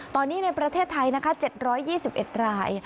ตอนนี้ในประเทศไทยนะคะ๗๒๑ราย